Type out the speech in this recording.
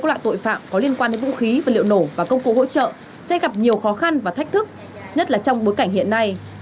nhất là trong bối cảnh hiện nay